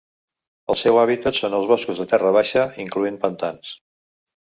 El seu hàbitat són els boscos de terra baixa incloent pantans.